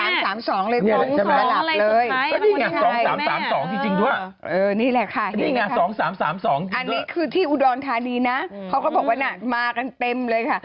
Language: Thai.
อันนี้คือที่อุดรธานีนะเขาก็บอกว่ามากันเต็มเลยค่ะ